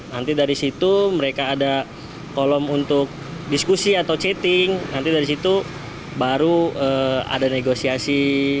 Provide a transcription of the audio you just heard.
nanti dari situ mereka ada kolom untuk diskusi atau chatting nanti dari situ baru ada negosiasi